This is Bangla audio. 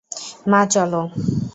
মা, চলো!